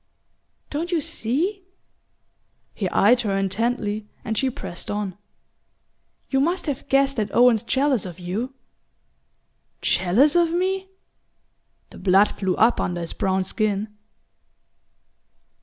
"Don't you see?" He eyed her intently, and she pressed on: "You must have guessed that Owen's jealous of you." "Jealous of me?" The blood flew up under his brown skin.